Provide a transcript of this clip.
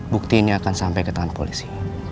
bukti ini akan sampai ke tangan polisi